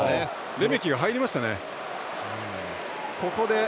レメキが入りましたね。